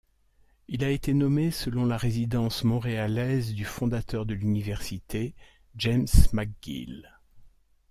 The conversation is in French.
Il a été nommé selon la résidence montréalaise du fondeur de l'université, James McGill.